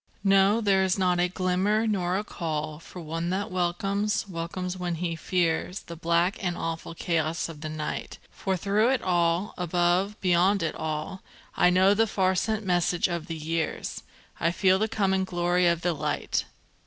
No, there is not a glimmer, nor a call, For one that welcomes, welcomes when he fears, The black and awful chaos of the night; For through it all, above, beyond it all, I know the far sent message of the years, I feel the coming glory of the Light!